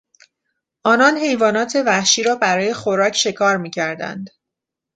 آنان حیوانات وحشی را برای خوراک شکار میکردند.